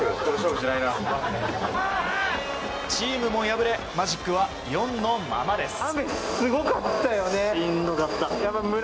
チームも敗れマジックは４のままです。